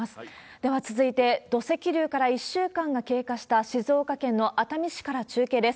では続いて、土石流から１週間が経過した静岡県の熱海市から中継です。